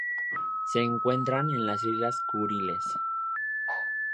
Se encuentran en las Islas Kuriles.